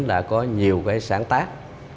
đã có rất nhiều sáng tác